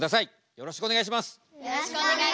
よろしくお願いします。